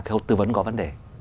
cái hộp tư vấn có vấn đề